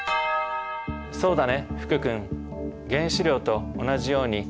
そうだね